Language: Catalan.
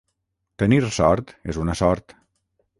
Tenir sort és una sort.